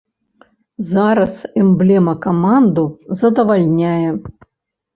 Зараз эмблема каманду задавальняе.